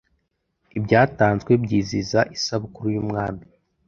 Ibyatanzwe byizihiza isabukuru yumwami